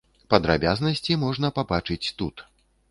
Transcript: Падрабязнасці можна пабачыць тут.